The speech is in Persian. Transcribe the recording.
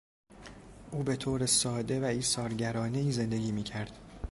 او به طور ساده و ایثارگرانهای زندگی میکرد.